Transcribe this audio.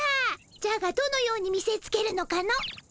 じゃがどのように見せつけるのかの？